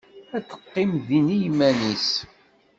Ad teqqim din iman-is.